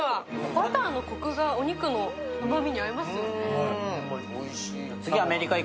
バターのコクが、お肉のうまみに合いますよね。